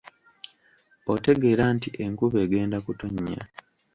Otegeera nti enkuba egenda kutonnya.